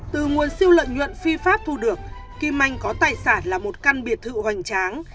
từ nguồn siêu lợi nhuận phi pháp thu được kim anh có tài sản là một căn biệt thự hoành tráng